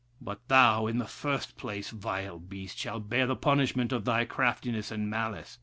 But thou, in the first place, vile beast, shall bear the punishment of thy craftiness and malice.